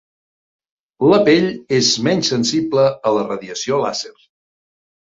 La pell és menys sensible a la radiació làser.